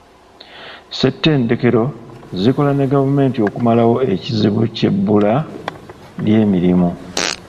Ssettendekero zikola ne gavumenti okumalawo ekizibu ky'ebbula ly'emirimu.